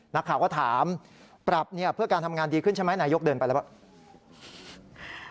นักข่าวก็ถามปรับเนี่ยเพื่อการทำงานดีขึ้นใช่ไหมนายกเดินไปแล้วป่ะ